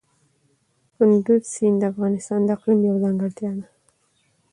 کندز سیند د افغانستان د اقلیم یوه ځانګړتیا ده.